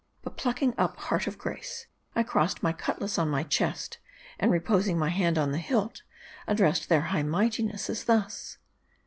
But plucking up heart of grace, I crossed my cutlass on my chest, and reposing my hand on the hilt, addressed their High Mightinesses thus.